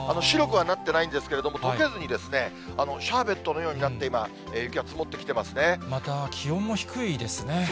白くはなってないんですけれども、とけずにシャーベットのようになって、今、雪が積もってきていままた気温も低いですね。